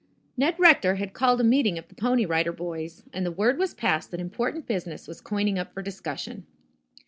Ned Rector had called a meeting of the Pony Rider Boys, and the word was passed that important business was coining up for discussion.